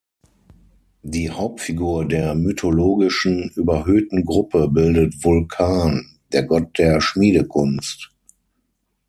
Die Hauptfigur der mythologischen überhöhten Gruppe bildet Vulkan, der Gott der Schmiedekunst.